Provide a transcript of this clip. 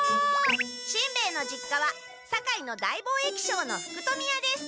しんべヱの実家は堺の大貿易商の福富屋です。